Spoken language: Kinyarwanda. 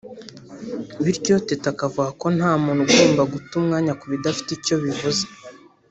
Bityo Teta akavuga ko nta muntu ugomba guta umwanya ku bidafite icyo bivuze